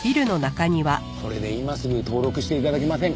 これで今すぐ登録して頂けませんか？